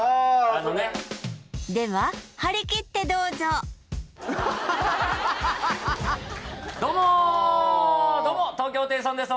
それでは張りきってどうぞどうもどうもどうも東京ホテイソンです